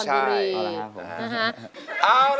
ใช่เขาล่ะครับ